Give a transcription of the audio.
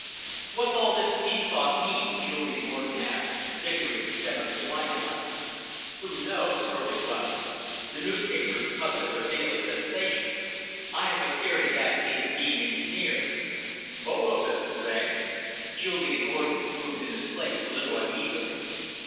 "What's all this peace talk mean?" Julian Orden asked, fingering the stem of his wineglass. "Who knows?" Furley grunted. "The newspapers must have their daily sensation." "I have a theory that it is being engineered." "Bolo business, eh?" Julian Orden moved in his place a little uneasily.